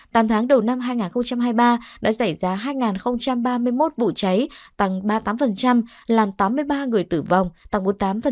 tám tháng đầu năm hai nghìn hai mươi ba đã xảy ra hai ba mươi một vụ cháy tăng ba mươi tám làm tám mươi ba người tử vong tăng bốn mươi tám